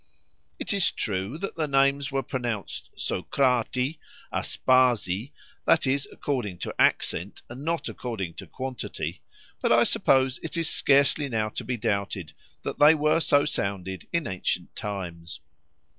It is true that the names were pronounced Socrahtie, Aspahsie—that is, according to accent, and not according to quantity—but I suppose it is scarcely now to be doubted that they were so sounded in ancient times.